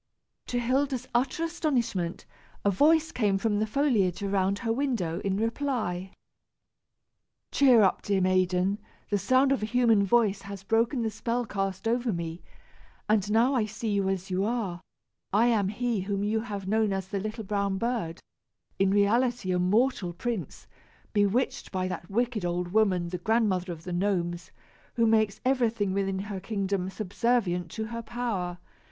To Hilda's utter astonishment, a voice came from the foliage around her window, in reply. "Cheer up, dear maiden; the sound of a human voice has broken the spell cast over me, and I now see you as you are. I am he whom you have known as the little brown bird, in reality a mortal prince, bewitched by that wicked old woman, the Grandmother of the Gnomes, who makes everything within her kingdom subservient to her power.